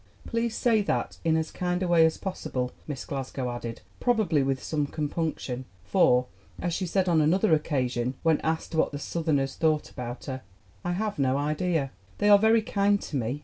Please say that in as kind a way as possible," Miss Glasgow added, probably with some compunction, for, as she said on another occasion, when asked what the South erners thought about her: "I have no idea. They are very kind to me."